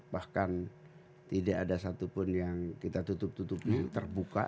bahkan tidak ada satupun yang kita tutup tutupi terbuka